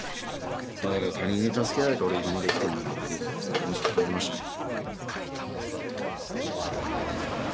まあだから他人に助けられて俺今まで生きてんだなっていうのをものすごく感じましたね。